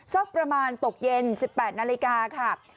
สักประมาณตกเย็น๑๘นาฬิกาค่ะ